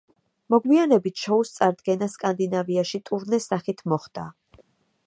მოგვიანებით შოუს წარდგენა სკანდინავიაში ტურნეს სახით მოხდა.